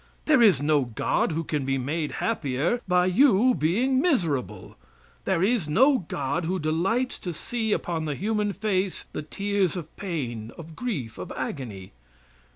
There is no God who can be made happier by you being miserable; there is no God who delights to see upon the human face the tears of pain, of grief, of agony.